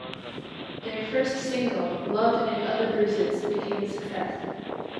Their first single, "Love and Other Bruises", became a success.